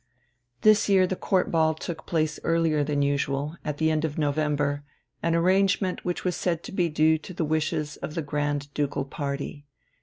This year the Court Ball took place earlier than usual; at the end of November an arrangement which was said to be due to the wishes of the Grand Ducal Party.